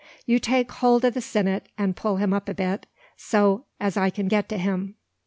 You take hold o' the sinnet, an' pull him up a bit, so as I can get at him."